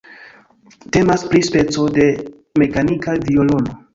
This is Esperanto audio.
Temas pri speco de mekanika violono.